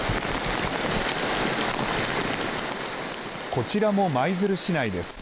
こちらも舞鶴市内です。